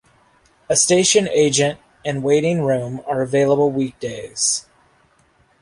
A station agent and waiting room are available weekdays.